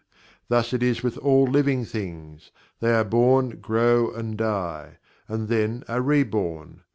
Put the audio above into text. Thus it is with all living things; they are born, grow, and die and then are reborn.